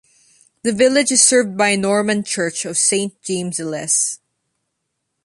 The village is served by a Norman church of Saint James the Less.